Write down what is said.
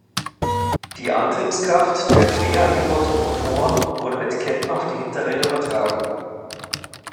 Die Antriebskraft der quer eingebauten Motoren wurde mit Ketten auf die Hinterräder übertragen.